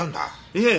いえ。